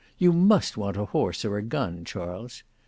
You must want a horse or a gun, Charles.